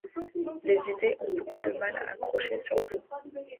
les idées ont beaucoup de mal à accrocher sur vous.